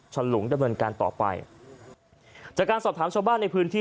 ฉลุงดำเนินการต่อไปจากการสอบถามชาวบ้านในพื้นที่